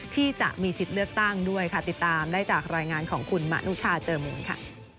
ที่จะมีสิทธิ์เลือกตั้งด้วยค่ะติดตามได้จากรายงานของคุณมะนุชาเจอมูลค่ะ